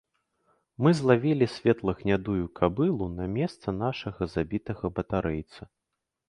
Мы злавілі светла-гнядую кабылу на месца нашага забітага батарэйца.